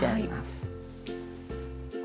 はい。